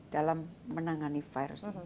dalam menangani virus